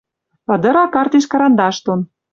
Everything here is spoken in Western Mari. Ыдыра картеш карандаш дон.